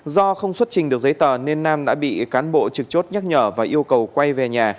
do không xuất trình được giấy tờ nên nam đã bị cán bộ trực chốt nhắc nhở và yêu cầu quay về nhà